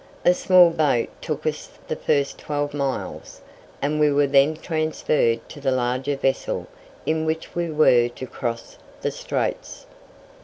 A small boat took us the first twelve miles, and we were then transferred to the larger vessel in which we were to cross the Straits.